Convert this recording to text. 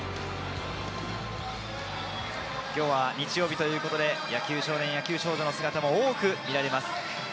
今日は日曜日ということで、野球少年、野球少女の姿も多く見られます。